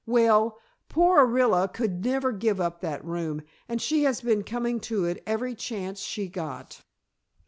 "Well, poor Orilla could never give up that room, and she has been coming to it every chance she got.